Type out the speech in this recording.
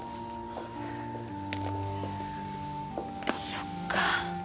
そっか。